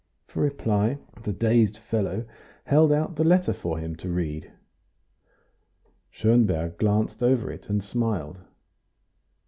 For reply the dazed fellow held out the letter for him to read. Schonberg glanced over it, and smiled.